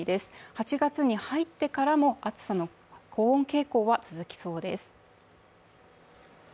８月に入ってからも暑さの高温傾向は続きそうです。